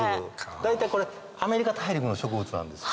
大体これアメリカ大陸の植物なんです。